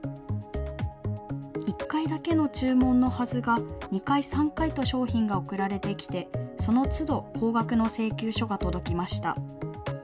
１回だけの注文のはずが、２回、３回と商品が送られてきて、そのつど、高額の請求書が届きました。